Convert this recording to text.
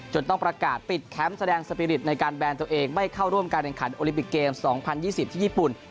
ต้องประกาศปิดแคมป์แสดงสปีริตในการแบนตัวเองไม่เข้าร่วมการแข่งขันโอลิปิกเกม๒๐๒๐ที่ญี่ปุ่น